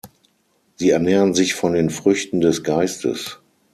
Sie ernähren sich von den Früchten des Geistes.